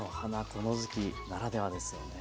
この時期ならではですよね。